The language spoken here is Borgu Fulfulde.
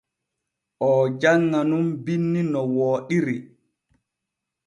Oo janŋa nun binni no wooɗiri.